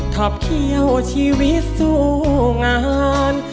ขับเขี้ยวชีวิตสู้งาน